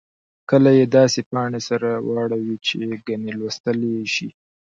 کله یې داسې پاڼې سره واړوئ چې ګنې لوستلای یې شئ.